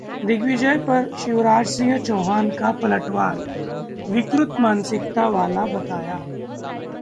दिग्विजय पर शिवराज सिंह चौहान का पलटवार, 'विकृत मानसिकता' वाला बताया